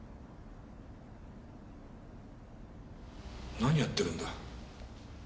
何やってるんだ？